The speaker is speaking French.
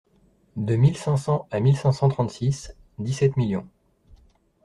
De mille cinq cents à mille cinq cent trente-six, dix-sept millions.